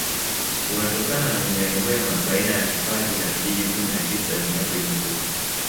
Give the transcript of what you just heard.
Unatokana na ujirani mwema baina ya hifadhi na vijiji kumi na tisa vinavyoizunguka